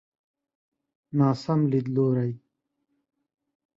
ناسم ليدلوری.